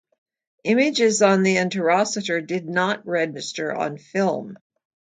Images on the interocitor don't register on film.